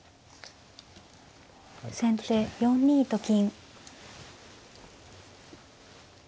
先手４二と金。